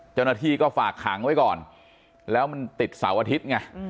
เจ้าหน้าที่ก็ฝากขังไว้ก่อนแล้วมันติดเสาร์อาทิตย์ไง